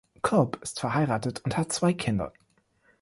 Culp ist verheiratet und hat zwei Kinder.